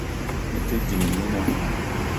Me te ding, mina